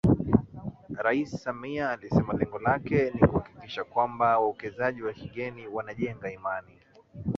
Rais Samia alisema lengo lake ni kuhakikisha kwamba wawekezaji wa kigeni wanajenga imani